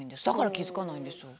だから気付かないんです。